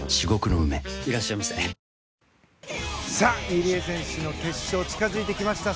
入江選手の決勝が近づいてきました。